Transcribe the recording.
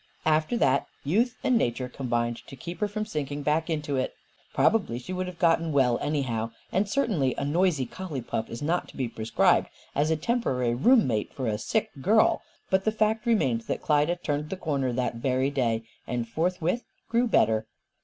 After that, youth and nature combined to keep her from sinking back into it. Probably she would have gotten well, anyhow. And certainly a noisy collie pup is not to be prescribed as a temporary roommate for a sick girl. But the fact remained that Klyda "turned the corner," that very day, and forthwith grew better.